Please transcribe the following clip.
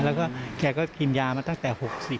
แล้วก็แกก็กินยามาตั้งแต่๖๐